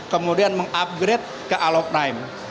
kemudian mengupgrade ke aloprime